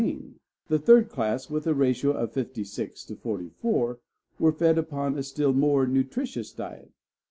The third class, with a ratio of 56 to 44, were fed upon a still more nutritious diet (i.